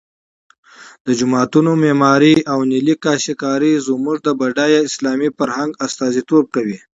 د جوماتونو معمارۍ او نیلي کاشي کاري زموږ د بډای اسلامي فرهنګ استازیتوب کوي.